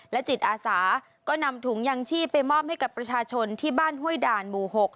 จิตอาสาก็นำถุงยังชีพไปมอบให้กับประชาชนที่บ้านห้วยด่านหมู่๖